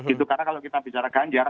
itu karena kalau kita bicara ganjar